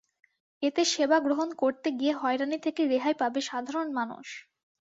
এতে সেবা গ্রহণ করতে গিয়ে হয়রানি থেকে রেহাই পাবে সাধারণ মানুষ।